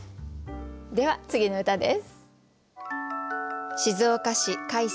では次の歌です。